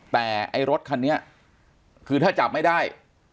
แต่ไอ้รถคันนี้คือถ้าจับไม่ได้